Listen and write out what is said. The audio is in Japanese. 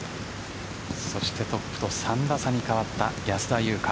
そしてトップと３打差に変わった安田祐香。